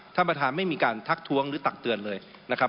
ท่านประธานไม่มีการทักท้วงหรือตักเตือนเลยนะครับ